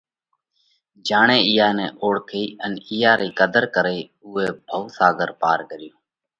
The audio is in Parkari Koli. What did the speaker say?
جيڻئہ اِيئا نئہ اوۯکئِي ان اِيئا رئِي قڌر ڪرئي اُوئہ ڀوَ ساڳر پار ڪريو